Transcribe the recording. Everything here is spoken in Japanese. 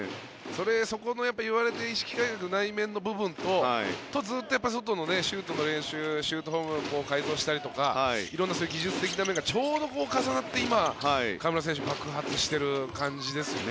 そこを言われて、意識改革内面の部分とずっと外のシュートの練習シュートフォームを改造したりとか色んな技術的な面がちょうど重なって今、河村選手爆発している感じですよね。